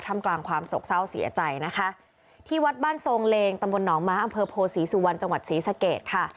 ทำกลางความโศกเศร้าเสียใจนะคะที่วัดบ้านทรงเลงตำบลหนองม้าอำเภอโพศรีสุวรรณจังหวัดศรีสะเกดค่ะ